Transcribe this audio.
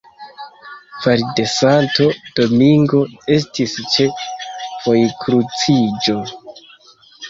Val de Santo Domingo estis ĉe vojkruciĝo.